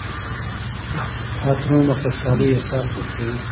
عطرونه د خوشحالۍ احساس ورکوي.